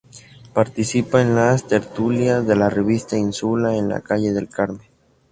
Participa en las tertulias de la revista Insula, en la calle del Carmen.